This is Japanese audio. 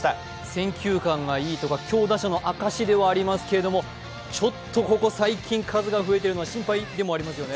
選球眼がいいとか強打者の証ではありますけれどもちょっとここ最近数が増えているのは心配でもありますよね。